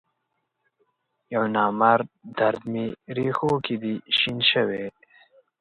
یونامرد درد می رېښوکې دی شین شوی